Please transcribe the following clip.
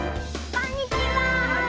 こんにちは。